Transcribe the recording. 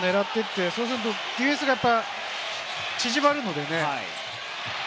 ドライブ、どんどん狙っていって、そうするとディフェンスが縮まるのでね。